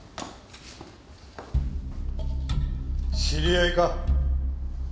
知り合いか？